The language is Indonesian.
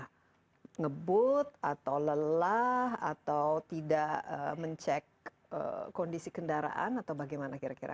karena ngebut atau lelah atau tidak mencek kondisi kendaraan atau bagaimana kira kira